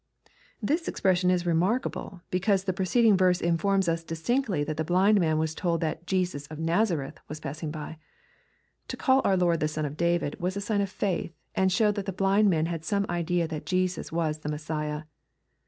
] This expression is remarkable, because the preceding verse informs us distinctly that the blind man was told that '* Jesus of Nazareth" was passing by. To call our Lord the ^' Son of David" was a sign of faith, and showed that the blind man had some idea that Jesus was the Messiah.